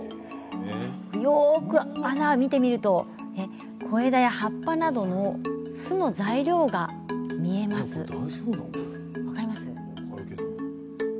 よく穴を見てみると小枝や葉っぱなど巣の材料が見えますよね。